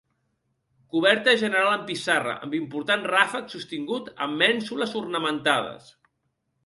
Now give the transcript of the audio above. Coberta general amb pissarra amb important ràfec sostingut amb mènsules ornamentades.